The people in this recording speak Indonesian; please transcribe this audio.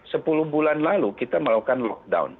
sepuluh bulan lalu kita melakukan lockdown